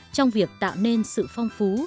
trong việc tạo nên sự phong phú